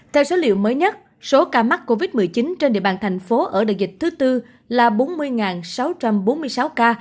theo số liệu mới nhất số ca mắc covid một mươi chín trên địa bàn thành phố ở đại dịch thứ tư là bốn mươi sáu trăm bốn mươi sáu ca